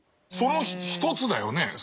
その一つだよね